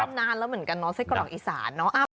ไม่ได้ทานนานแล้วเหมือนกันเนาะเส้นกระหล่องอิสารเนาะ